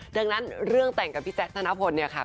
ดังนั้นเรื่องแต่งกับพี่แจ๊คธนพลเนี่ยค่ะ